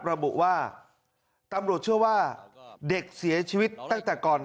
ระบุว่าตำรวจเชื่อว่าเด็กเสียชีวิตตั้งแต่ก่อน